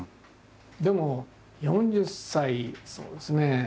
でも４０歳そうですね。